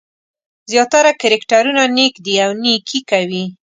زیاتره کرکټرونه نېک دي او نېکي کوي.